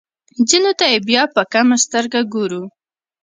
ځینو ته یې بیا په کمه سترګه ګورو.